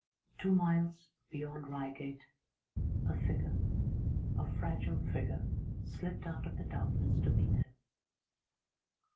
Two miles beyond Reigate a figure, a fragile figure, slipped out of the darkness to meet him.